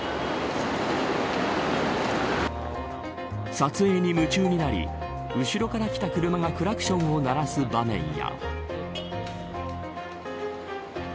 撮影に夢中になり後ろから来た車がクラクションを鳴らす場面や。